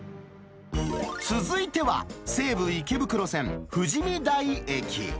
続いては、西武池袋線富士見台駅。